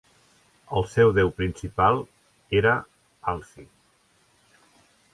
El seu déu principal era Alci.